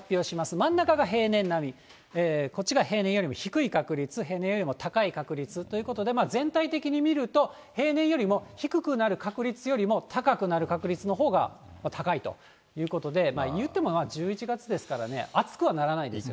真ん中が平年並み、こっちが平年よりも低い確率、平年よりも高い確率ということで、全体的に見ると、平年よりも低くなる確率よりも、高くなる確率のほうが高いということで、いうても１１がつですからね、暑くはならないですよ。